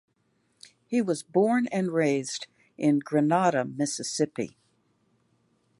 He was born and raised in Grenada, Mississippi.